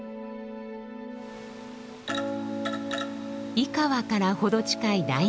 井川から程近い大日峠。